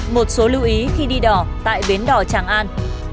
một số lưu ý khi đi đỏ tại biến đỏ tràng an